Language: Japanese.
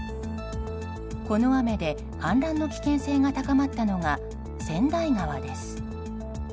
この雨で氾濫の危険性が高まったのが川内川です。